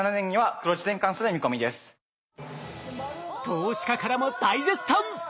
投資家からも大絶賛！